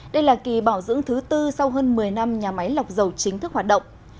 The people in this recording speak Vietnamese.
đây là kỳ bảo dưỡng thứ tư sau hơn một mươi năm nhà máy lọc dầu chính thức hoạt động